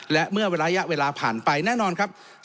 และเมื่อระยะเวลาผ่านไปแน่นอนครับ